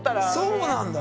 そうなんだ。